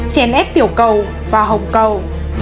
chèn ép tiểu cầu và hồng cầu